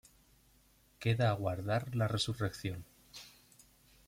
Queda aguardar la Resurrección.